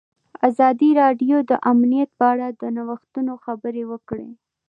ازادي راډیو د امنیت په اړه د نوښتونو خبر ورکړی.